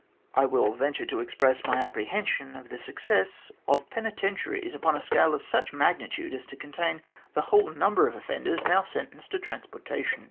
I will venture to express my apprehension of the success of THE GENESIS OF THE GLADSTONE COLONY 15 penitentiaries upon a scale of such magnitude as to contain the whole number of offenders now sentenced to transporta tion.